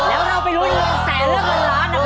แล้วเราไปลุ้น๑แสนและ๑ล้านนะคะ